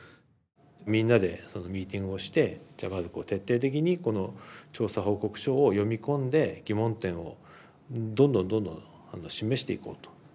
みんなでミーティングをしてじゃあまず徹底的にこの調査報告書を読み込んで疑問点をどんどんどんどん示していこうと。